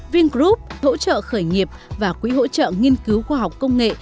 vingroup hỗ trợ khởi nghiệp và quỹ hỗ trợ nghiên cứu khoa học công nghệ